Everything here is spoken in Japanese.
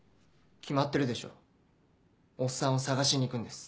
決まってるでしょおっさんを捜しに行くんです。